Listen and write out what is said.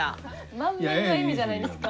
満面の笑みじゃないですか。